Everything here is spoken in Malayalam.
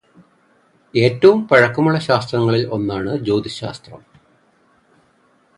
ഏറ്റവും പഴക്കമുള്ള ശാസ്ത്രങ്ങളിൽ ഒന്നാണ് ജ്യോതിശാസ്ത്രം.